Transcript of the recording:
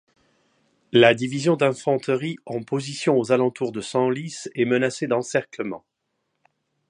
La Division d'Infanterie en position aux alentours de Senlis est menacée d’encerclement.